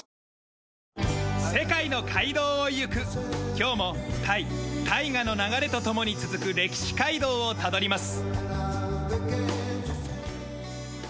今日もタイ大河の流れと共に続く歴史街道をたどります。